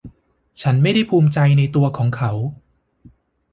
ฉันไม่ได้ภูมิใจในตัวเขา